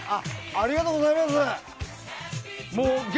ありがとうございます！